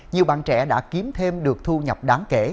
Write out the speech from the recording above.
nhiều bạn trẻ đã kiếm thêm được thu nhập đáng kể